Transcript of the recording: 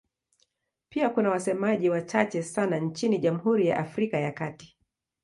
Pia kuna wasemaji wachache sana nchini Jamhuri ya Afrika ya Kati.